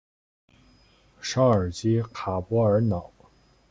绍尔基卡波尔瑙。